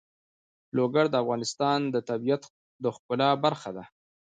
لوگر د افغانستان د طبیعت د ښکلا برخه ده.